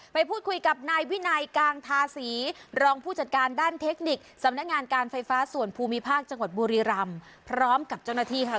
ไปพูดคุยกับนายวินัยกางทาศีรองผู้จัดการด้านเทคนิคสำนักงานการไฟฟ้าส่วนภูมิภาคจังหวัดบุรีรำพร้อมกับเจ้าหน้าที่ค่ะ